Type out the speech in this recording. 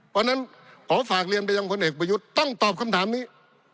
เพราะฉะนั้นขอฝากเรียนไปยังพลเอกประยุทธ์ต้องตอบคำถามนี้